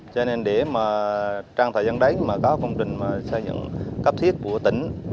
cho nên để mà trong thời gian đấy mà có công trình xây dựng cấp thiết của tỉnh